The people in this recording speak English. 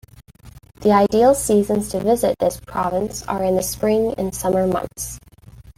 The ideal seasons to visit this province are in the spring and summer months.